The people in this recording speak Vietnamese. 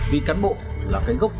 vì cán bộ là cái gốc